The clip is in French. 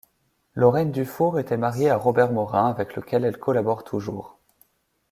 Lorraine Dufour était mariée à Robert Morin avec lequel elle collabore toujours.